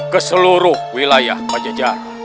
keseluruh wilayah pajajar